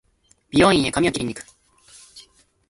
美容院へ髪を切りに行く